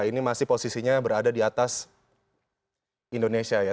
ini masih posisinya berada di atas indonesia ya